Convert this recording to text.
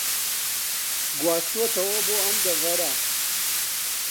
گواستووەتەوە بۆ ئەم دەڤەرە